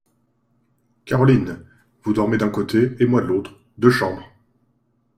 Caroline ! vous dormez d’un côté, et moi de l’autre !… deux chambres…